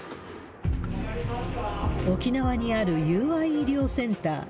沖縄にある友愛医療センター。